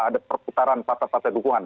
ada perputaran pata patai dukungan